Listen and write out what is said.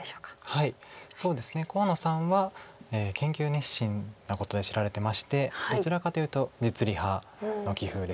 そうですね河野さんは研究熱心なことで知られてましてどちらかというと実利派の棋風です。